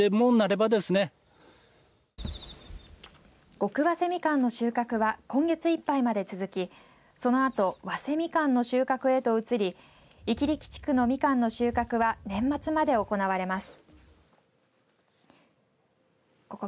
極わせみかの収穫は今月いっぱいまで続きそのあと、わせミカンの収穫へと移り伊木力地区のみかんの収穫は年末まで行われます。